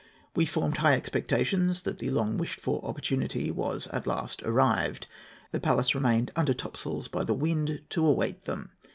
We formed high expectations that the long wished for opportunity was at last arrived. The Pallas remained under topsails by the wind to await them.